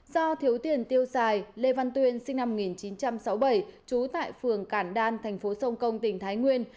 do thiếu tiền tiêu xài lê văn tuyên sinh năm một nghìn chín trăm sáu mươi bảy trú tại phường cản đan thành phố sông công tỉnh thái nguyên